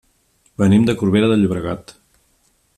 Venim de Corbera de Llobregat.